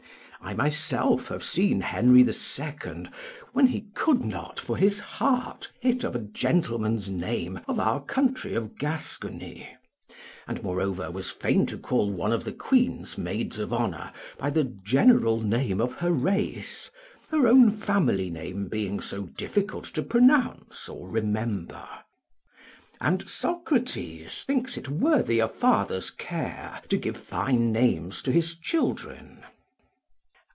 I myself have seen Henry II., when he could not for his heart hit of a gentleman's name of our country of Gascony, and moreover was fain to call one of the queen's maids of honour by the general name of her race, her own family name being so difficult to pronounce or remember; and Socrates thinks it worthy a father's care to give fine names to his children.